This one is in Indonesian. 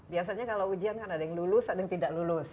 biasanya kalau ujian kan ada yang lulus ada yang tidak lulus